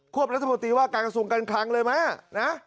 ควบรัฐบาลตีว่าการกระทรวงกันครั้งเลยไหมนะ